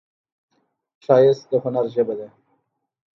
ښایست د هنر ژبه ده